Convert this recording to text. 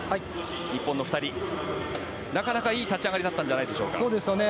日本の２人なかなかいい立ち上がりだったんじゃないでしょうか。